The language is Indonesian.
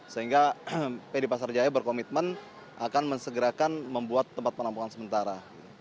sehingga pd pasar jaya berkomitmen akan mensegerakan membuat tempat penampungan sementara